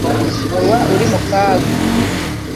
uba uri mu kaga